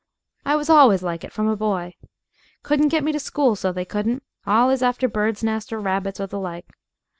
I was always like it from a boy. Couldn't get me to school, so they couldn't allus after birds' nests or rabbits or the like.